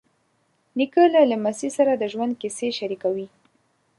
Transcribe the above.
نیکه له لمسي سره د ژوند کیسې شریکوي.